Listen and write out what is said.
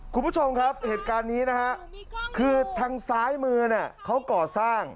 คุณผู้ชมครับเหตุการณ์นี้นะฮะคือทางซ้ายมือเนี่ยเขาก่อสร้าง